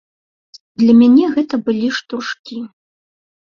Для мяне гэта былі штуршкі.